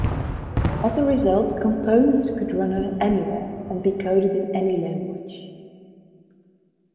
As a result, components could run anywhere, and be coded in any language.